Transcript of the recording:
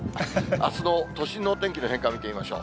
あすの都心のお天気の変化見てみましょう。